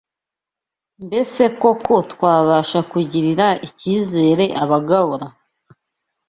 Mbese koko twabasha kugirira icyizere abagabura